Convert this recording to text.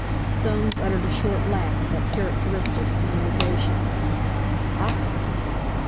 Soames uttered a short laugh at that characteristic minimisation. "Awkward!